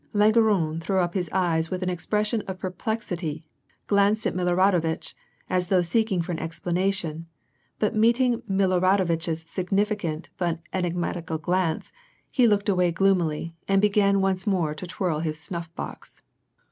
" Langeron threw up his eyes with an expression of per plexity, glanced at Miloradovitch, as though seeking for an explanation ; but meeting Miloradovitch's significant but enig matical glance, he looked away gloomily, and began once more to twirl his 8nuff lx)X.